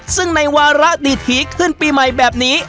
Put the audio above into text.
ซึ่งในวาระดีถีขึ้นปีใหม่แบบนี้